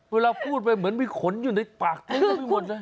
เวลาพูดไปเหมือนมีขนอยู่ในปากเต็มไปหมดเลย